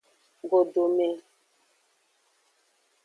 Godome.